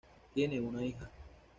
Tienen una hija.